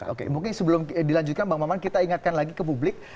oke mungkin sebelum dilanjutkan bang maman kita ingatkan lagi ke publik